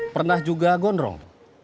pernah juga gonrong